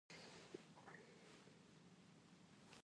aku berteduh di bawah pohon